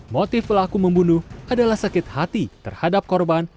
motif pelaku membunuh adalah sakit hati terhadap korban